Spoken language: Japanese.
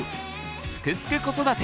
「すくすく子育て」